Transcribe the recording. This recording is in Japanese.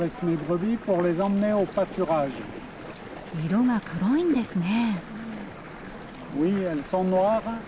色が黒いんですね。